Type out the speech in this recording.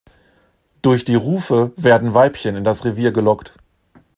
Durch die Rufe werden Weibchen in das Revier gelockt.